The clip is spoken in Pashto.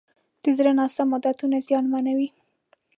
د زړه ناسم عادتونه زیانمنوي.